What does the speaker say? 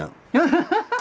ハハハハ！